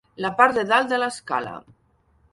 La part de dalt de l'escala.